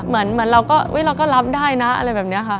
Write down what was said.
เหมือนเราก็เราก็รับได้นะอะไรแบบนี้ค่ะ